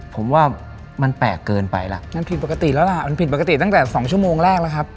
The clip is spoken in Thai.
ผมว่ามันแปลกเกินไปล่ะมันผิดปกติแล้วล่ะมันผิดปกติตั้งแต่สองชั่วโมงแรกแล้วครับ